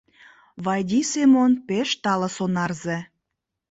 Вайди Семон — пеш тале сонарзе.